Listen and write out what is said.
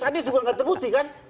anis juga tidak terbukti kan